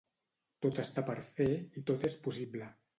Tot està per fer i tot és possible.